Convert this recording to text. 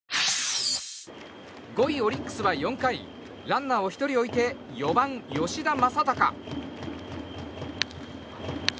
５位オリックスは４回ランナーを１人置いて４番、吉田正尚。